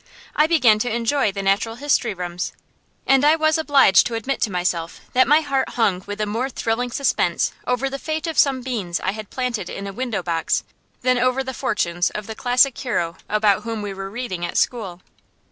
I began to enjoy the Natural History rooms; and I was obliged to admit to myself that my heart hung with a more thrilling suspense over the fate of some beans I had planted in a window box than over the fortunes of the classic hero about whom we were reading at school.